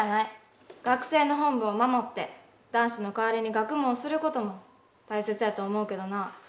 学生の本分を守って男子の代わりに学問することも大切やと思うけどな。